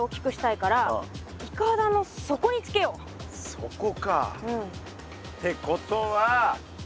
そこか。ってことは。